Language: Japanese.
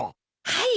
はい。